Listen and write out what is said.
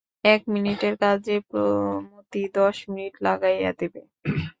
এক মিনিটের কাজে মতি দশ মিনিট লাগাইয়া দেবে।